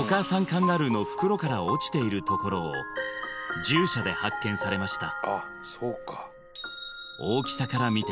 カンガルーの袋から落ちているところを獣舎で発見されました